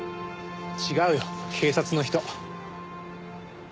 違うよ警察の人。